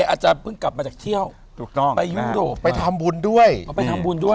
อาจจะเพิ่งกลับมาเถ้าที่เที่ยวไปยูโดไปทำบุญด้วยนี่ไปทำบุญด้วย